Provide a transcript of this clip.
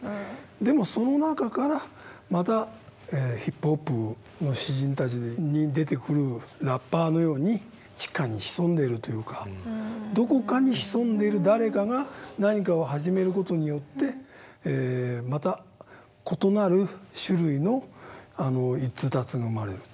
でもその中からまたヒップホップの詩人たちに出てくるラッパーのように地下に潜んでるというかどこかに潜んでる誰かが何かを始める事によってまた異なる種類の逸脱が生まれると。